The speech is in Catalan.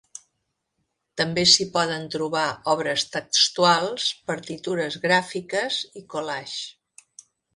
També s’hi poden trobar obres textuals, partitures gràfiques i collages.